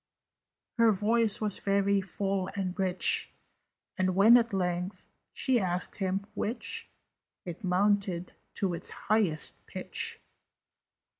Her voice was very full and rich, And, when at length she asked him "Which?" It mounted to its highest pitch.